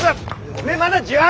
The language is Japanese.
おめえまだ１８。